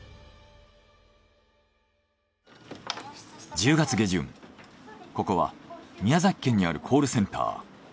１０月下旬ここは宮崎県にあるコールセンター。